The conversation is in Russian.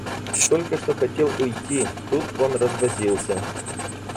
Только что хотели уйти, тут он развозился.